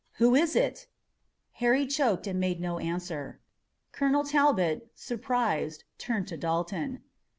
"Who was it?" Harry choked and made no answer. Colonel Talbot, surprised, turned to Dalton.